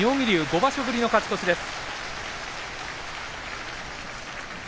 ５場所ぶりの勝ち越しです。